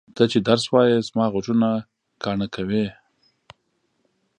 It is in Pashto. ته چې درس وایې زما غوږونه کاڼه کوې!